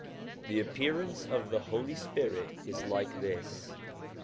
The appear ance of the Holy Spirit is like this.